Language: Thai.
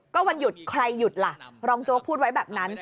ก็วันหยุดใครหยุดล่ะรองโจ๊กพูดไว้แบบนั้น